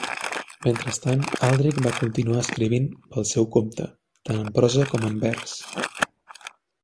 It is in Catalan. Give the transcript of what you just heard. Mentrestant, Aldrich va continuar escrivint pel seu compte, tant en prosa com en vers.